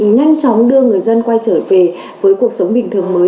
nhanh chóng đưa người dân quay trở về với cuộc sống bình thường mới